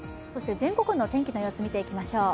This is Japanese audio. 全国の天気の様子見ていきましょう。